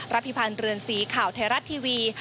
พิพันธ์เรือนสีข่าวไทยรัฐทีวี